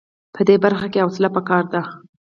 په دې برخه کې حوصله په کار ده.